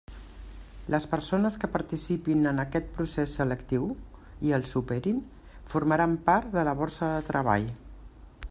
Les persones que participin en aquest procés selectiu, i el superin, formaran part de la borsa de treball.